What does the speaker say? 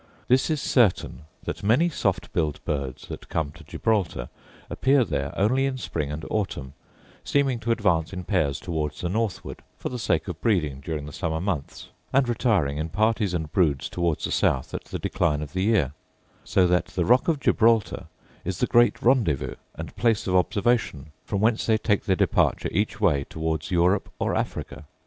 This is certain, that many soft billed birds that come to Gibraltar appear there only in spring and autumn, seeming to advance in pairs towards the northward, for the sake of breeding during the summer months; and retiring in parties and broods towards the south at the decline of the year: so that the rock of Gibraltar is the great rendezvous, and place of observation, from whence they take their departure each way towards Europe or Africa.